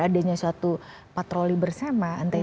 adanya suatu patroli bersama